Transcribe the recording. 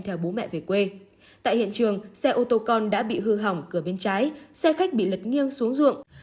theo bố mẹ về quê tại hiện trường xe ô tô con đã bị hư hỏng cửa bên trái xe khách bị lật nghiêng xuống ruộng